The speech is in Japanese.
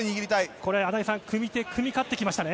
これ、穴井さん、組み手、組み勝ってきましたね？